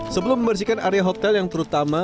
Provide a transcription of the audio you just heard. sebelum membersihkan area hotel yang terutama